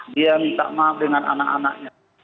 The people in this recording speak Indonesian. dia minta maaf dengan anak anaknya